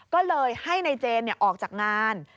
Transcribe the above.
ก็เลยให้นายเจนออกจากงาน